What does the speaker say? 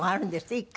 １回。